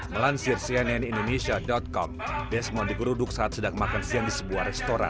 melansir cnn indonesia com desmond digeruduk saat sedang makan siang di sebuah restoran